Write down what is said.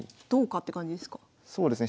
そうですね。